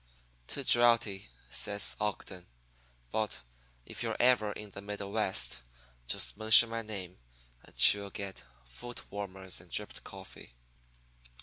"'Too draughty,' says Ogden. 'But if you're ever in the Middle West just mention my name, and you'll get foot warmers and dripped coffee.'